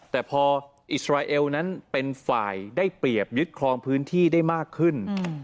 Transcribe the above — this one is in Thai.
แต่พออิสราเอลนั้นเป็นฝ่ายได้เปรียบยึดครองพื้นที่ได้มากขึ้น